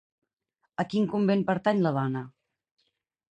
A quin convent pertany la dona?